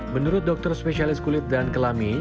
menurut dokter spesialis kulit dan kelami